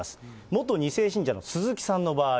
元２世信者の鈴木さんの場合。